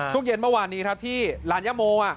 ทุกเย็นเมื่อวานนี้ที่ลานยโม